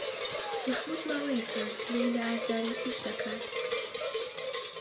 مەحموود ماوەیەکە گلەیی لە ئازاری پشت دەکات.